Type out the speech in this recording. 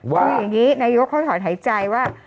ว่าอย่างนี้นายกเขาถอนหายใจว่า